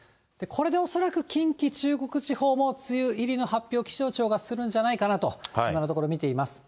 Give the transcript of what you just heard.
これで恐らく、近畿、中国地方も梅雨入りの発表、気象庁がするんじゃないかなと、今のところ見ています。